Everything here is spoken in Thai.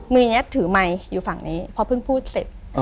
มือนี้ถือไมค์อยู่ฝั่งนี้พอเพิ่งพูดเสร็จ